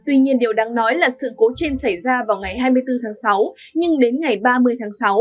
tuy nhiên điều đáng nói là sự cố trên xảy ra vào ngày hai mươi bốn tháng sáu nhưng đến ngày ba mươi tháng sáu